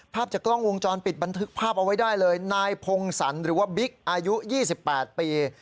ภาพจากกล้องวงจรปิดบันทึกภาพเอาไว้ได้เลยนายพงศรหรือว่าบิ๊กอายุ๒๘ปี